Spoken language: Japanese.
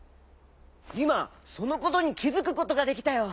いまそのことにきづくことができたよ。